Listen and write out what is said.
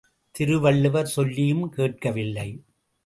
திருவள்ளுவர் சொல்லியும் கேட்கவில்லை!